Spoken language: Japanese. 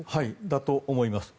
だと思います。